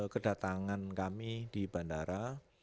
kedatangan kami di bandara